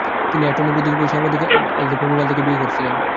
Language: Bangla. তিনি অ্যাটর্নি, বুদ্ধিজীবী ও সাংবাদিক আদল্ফো মিরালদাকে বিয়ে করেছিলেন।